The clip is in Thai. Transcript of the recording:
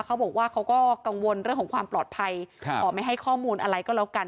เขาบอกว่าเขาก็กังวลเรื่องของความปลอดภัยขอไม่ให้ข้อมูลอะไรก็แล้วกัน